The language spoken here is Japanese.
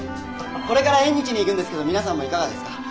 これから縁日に行くんですけど皆さんもいかがですか？